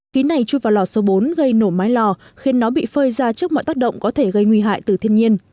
ký này chui vào lò số bốn gây nổ mái lò khiến nó bị phơi ra trước mọi tác động có thể gây nguy hại từ thiên nhiên